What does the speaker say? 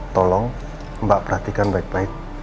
tolong mbak perhatikan baik baik